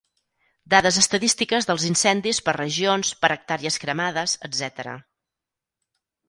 Dades estadístiques dels incendis per regions, per hectàrees cremades, etcètera.